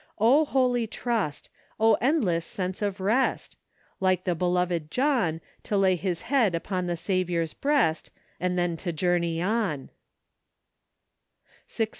O holy trust! 0 endless sense of rest! Like the beloved John To lay his head upon the Saviour's breast , And then to journey on ." 16.